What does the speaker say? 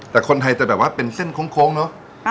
แต่คนไทยจะแบบว่าเป็นเส้นโค้งเนอะ